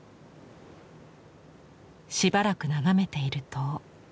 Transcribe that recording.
しばらく眺めていると。